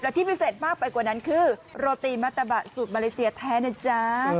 และที่พิเศษมากไปกว่านั้นคือโรตีมัตตะบะสูตรมาเลเซียแท้นะจ๊ะ